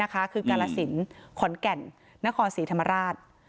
คือกาลสินขอนแก่นนครศรีธรรมราช